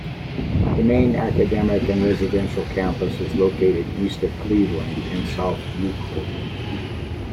The main academic and residential campus is located east of Cleveland in South Euclid.